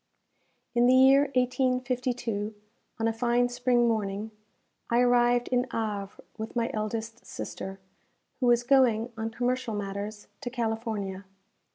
In the year 1852, on a fine spring morning, I arrived in Havre with my eldest sister, who was going, on commercial matters, to California.